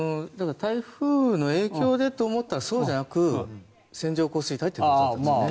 台風の影響でと思ったらそうじゃなく線状降水帯ということだったんですね。